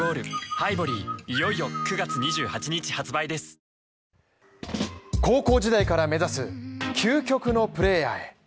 ＪＴ高校時代から目指す究極のプレイヤーへ。